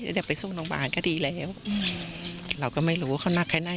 เดี๋ยวไปส่งทางบ้านก็ดีแล้วเราก็ไม่รู้ว่าเขานักไค่ไหน